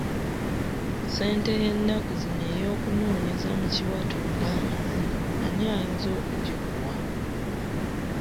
Ssente y'ennaku zino ey'okunoonyeza mu kiwato ng'amazina ani ayinza okugikuwa?